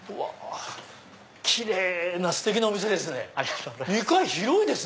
キレイなステキなお店ですね。